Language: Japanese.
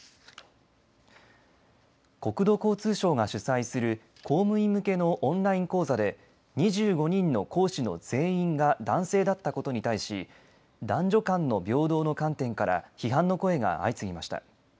国土交通省が主催する公務員向けのオンライン講座で２５人の講師の全員が男性だったことに対し男女間の平等の観点から批判の声が相次ぎました。